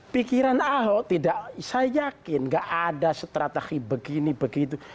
pikiran ahok tidak saya yakin tidak ada strategi begini begitu